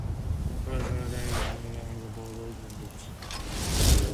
Professional tennis was played at Anfield on boards on the pitch.